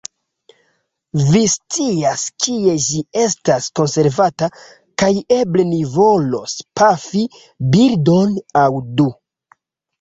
Vi scias kie ĝi estas konservata, kaj eble ni volos pafi birdon aŭ du.